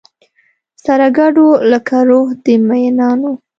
سره ګډو لکه روح د مینانو